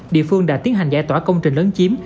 địa phương đã tiến hành giải tỏa công trình lớn chiếm